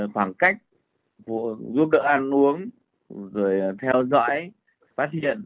khoảng cách giúp đỡ ăn uống rồi theo dõi phát hiện